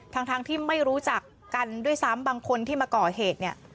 ทั้งที่ไม่รู้จักกันด้วยซ้ำบางคนที่มาก่อเหตุเนี่ย